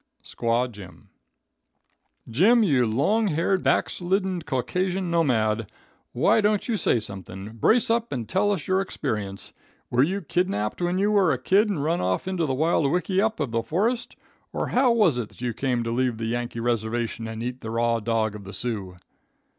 Squaw Jim. "Jim, you long haired, backslidden Caucasian nomad, why don't you say something? Brace up and tell us your experience. Were you kidnapped when you were a kid and run off into the wild wickyup of the forest, or how was it that you came to leave the Yankee reservation and eat the raw dog of the Sioux?"